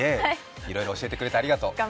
いろいろ教えてくれてありがとう。